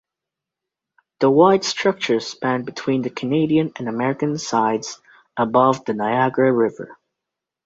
The wide structure spanned between the Canadian and American sides, above the Niagara River.